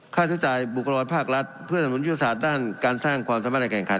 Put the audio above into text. ค่าใช้จ่ายบุคกรภาครัฐเพื่อถนนยุทธศาสตร์ด้านการสร้างความสามารถในการแข่งขัน